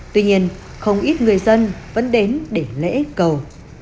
tuy nhiên không ít người dân vẫn đến để lễ cầu